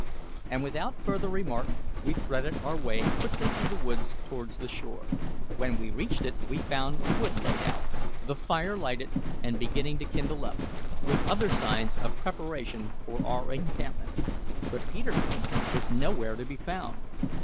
And without further remark, we threaded our way quickly through the woods towards the shore. When we reached it we found wood laid out, the fire lighted and beginning to kindle up, with other signs of preparation for our encampment; but Peterkin was nowhere to be found.